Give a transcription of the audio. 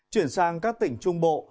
chuyển sang các tỉnh trung bộ